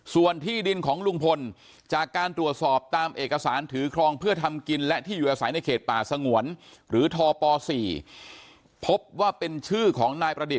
ส่วนที่ดินของลุงพลจากการตรวจสอบตามเอกสารถือคลองเพื่อทำกิน